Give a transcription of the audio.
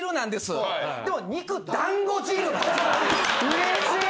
うれしい！